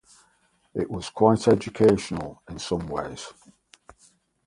It was quite educational in some ways.